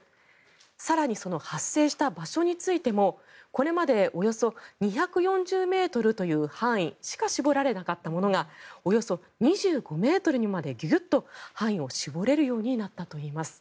更にその発生した場所についてもこれまでおよそ２４０ｍという範囲しか絞られなかったものがおよそ２５ｍにまでギュギュッと範囲を絞れるようになったといいます。